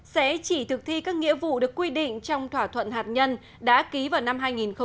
sẽ chỉ thực thi các nghĩa vụ được quy định trong thỏa thuận hạt nhân đã ký vào năm hai nghìn một mươi năm